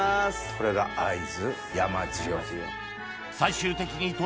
これが会津山塩。